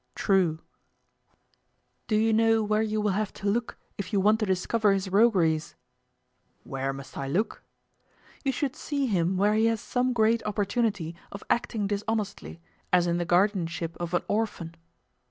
True. Do you know where you will have to look if you want to discover his rogueries? Where must I look? You should see him where he has some great opportunity of acting dishonestly, as in the guardianship of an orphan.